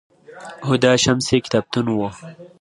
هُدا شمس یې کتابتون و